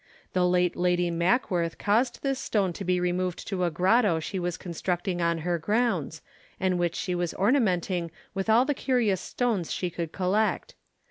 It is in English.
The late Lady Mackworth caused this stone to be removed to a grotto she was constructing on her grounds, and which she was ornamenting with all the curious stones she could collect.